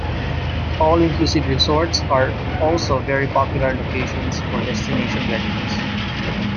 All-inclusive resorts are also very popular locations for destination weddings.